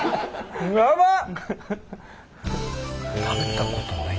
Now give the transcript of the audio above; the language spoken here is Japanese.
やばっ！